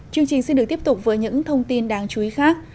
chương trình xin được tiếp tục với những thông tin đáng chú ý khác